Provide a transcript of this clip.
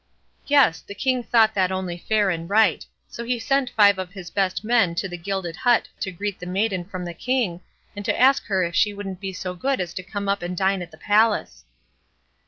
Yes; the King thought that only fair and right, so he sent five of his best men down to the gilded but to greet the maiden from the King, and to ask her if she wouldn't be so good as to came up and dine at the palace.